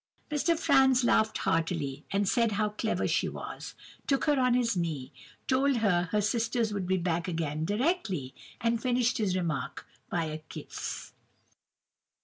"Mr. Franz laughed heartily, and said how clever she was, took her on his knee, told her her sisters would be back again directly, and finished his remark by a kiss.